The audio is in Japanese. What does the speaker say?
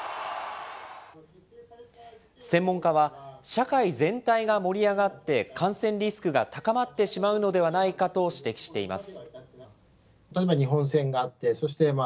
専門家は、社会全体が盛り上がって感染リスクが高まってしまうのではないかと指摘しています。